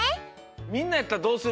みんなやったらどうする？